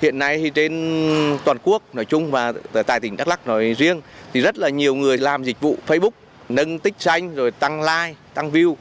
hiện nay thì trên toàn quốc nói chung và tại tỉnh đắk lắc nói riêng thì rất là nhiều người làm dịch vụ facebook nâng tích xanh rồi tăng like tăng view